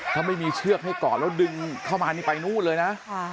ถ้าไม่มีเชือกให้เกาะแล้วดึงเข้ามานี่ไปนู่นเลยนะ